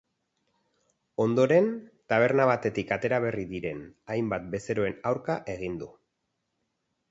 Ondoren, taberna batetik atera berri diren hainbat bezeroen aurka egin du.